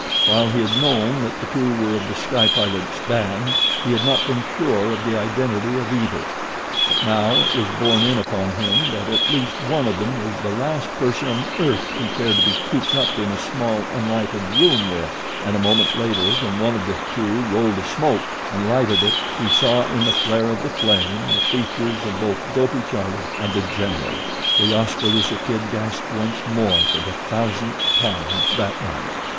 While he had known that the two were of The Sky Pilot's band he had not been sure of the identity of either; but now it was borne in upon him that at least one of them was the last person on earth he cared to be cooped up in a small, unlighted room with, and a moment later when one of the two rolled a 'smoke' and lighted it he saw in the flare of the flame the features of both Dopey Charlie and The General. The Oskaloosa Kid gasped once more for the thousandth time that night.